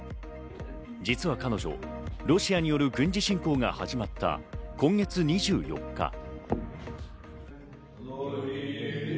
実は彼女、ロシアによる軍事侵攻が始まった今月２４日。